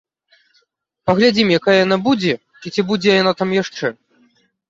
Паглядзім, якая яна будзе і ці будзе яна там яшчэ!